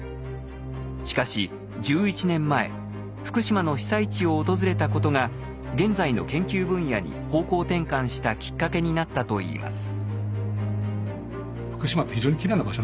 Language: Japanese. しかし１１年前福島の被災地を訪れたことが現在の研究分野に方向転換したきっかけになったといいます。